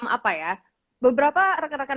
apa ya beberapa rekan rekan